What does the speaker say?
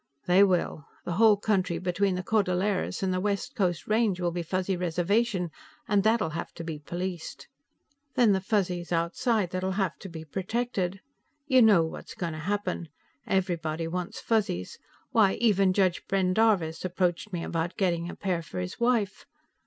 "They will. The whole country between the Cordilleras and the West Coast Range will be Fuzzy Reservation and that'll have to be policed. Then the Fuzzies outside that will have to be protected. You know what's going to happen. Everybody wants Fuzzies; why, even Judge Pendarvis approached me about getting a pair for his wife.